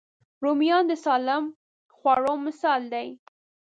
رومیان د سالم خوړو مثال دی